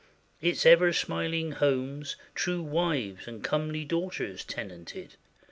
Its ever smiling homes True wives and comely daughters tenanted.